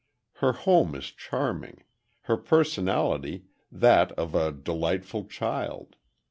Her home is charming, her personality, that of a delightful child.